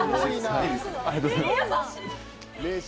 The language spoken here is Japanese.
ありがとうございます。